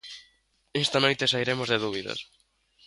Esta noite sairemos de dúbidas.